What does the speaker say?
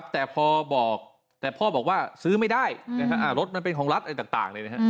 แต่พ่อบอกว่าซื้อไม่ได้รถมันเป็นของรัฐต่างเลยนะครับ